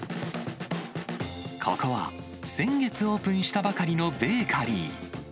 ここは、先月オープンしたばかりのベーカリー。